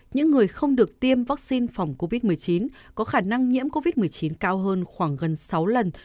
những người không được tiêm vaccine phòng covid một mươi chín có khả năng nhiễm covid một mươi chín cao hơn khoảng gần sáu lần